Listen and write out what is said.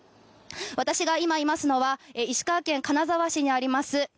私が今いますのは石川県金沢市にあります